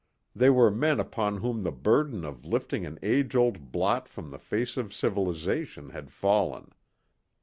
They were men upon whom the burden of lifting an age old blot from the face of civilization had fallen.